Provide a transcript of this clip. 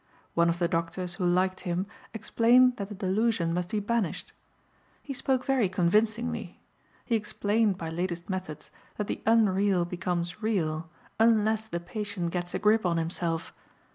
One of the doctors who liked him explained that the delusion must be banished. He spoke very convincingly. He explained by latest methods that the unreal becomes real unless the patient gets a grip on himself.